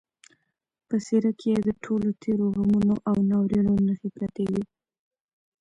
په څېره کې یې د ټولو تېرو غمونو او ناورینونو نښې پرتې وې